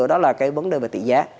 đó là cái vấn đề về tỷ giá